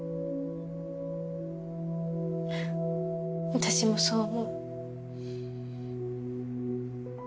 私もそう思う。